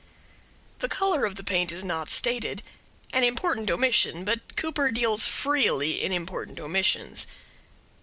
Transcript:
The color of the paint is not stated an important omission, but Cooper deals freely in important omissions.